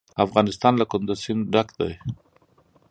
افغانستان له کندز سیند ډک دی.